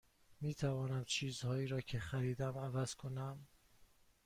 می توانم چیزهایی را که خریدم عوض کنم؟